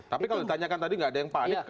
tapi kalau ditanyakan tadi nggak ada yang panik